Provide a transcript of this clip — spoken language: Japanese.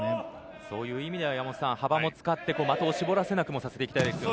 そういった意味では幅も使って的を絞らせない工夫をさせていきたいですね。